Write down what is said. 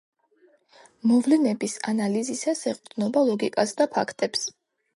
მოვლენების ანალიზისას ეყრდნობა ლოგიკას და ფაქტებს.